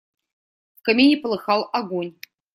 В камине полыхал огонь.